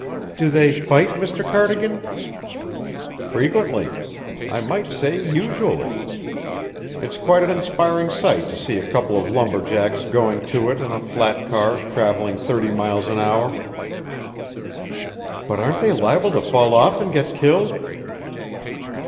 "Do they fight, Mr. Cardigan?" "Frequently. I might say usually. It's quite an inspiring sight to see a couple of lumberjacks going to it on a flat car travelling thirty miles an hour." "But aren't they liable to fall off and get killed?"